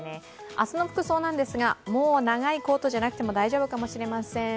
明日の服装なんですが、もう長いコートじゃなくても大丈夫かもしれません。